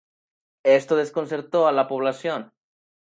Esto desconcertó a la población.